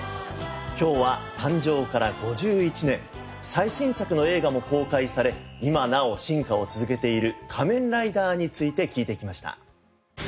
今日は誕生から５１年最新作の映画も公開され今なお進化を続けている『仮面ライダー』について聞いてきました。